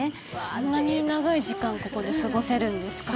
そんなに長い時間ここで過ごせるんですか？